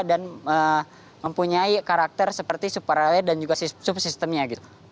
dan mempunyai karakter seperti subparale dan juga subsistemnya